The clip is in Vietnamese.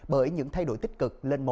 bởi những thay đổi tích cực lên mọi nơi